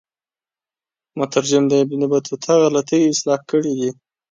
مترجم د ابن بطوطه غلطی اصلاح کړي دي.